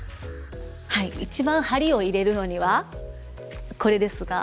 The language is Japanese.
はい一番梁を入れるのにはこれですが。